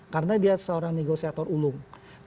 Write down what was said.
karena dia seorang negosiator ulung